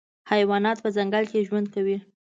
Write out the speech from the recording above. حیوانات په ځنګل کي ژوند کوي.